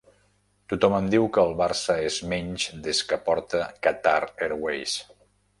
Tothom em diu que el Barça és menys des que porta Qatar Airways